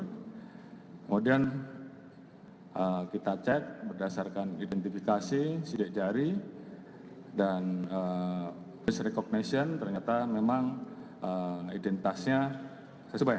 kemudian kita cek berdasarkan identifikasi sidik jari dan face recognition ternyata memang identitasnya sesuai